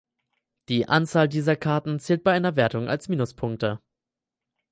Die Anzahl dieser Karten zählt bei einer Wertung als Minuspunkte.